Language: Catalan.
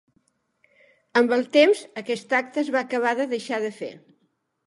Amb el temps aquest acte es va acabar de deixar de fer.